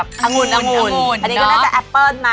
อันนี้ก็ค่อนก่อนแบบแอปเปิลนะ